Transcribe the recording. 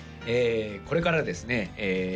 これからですね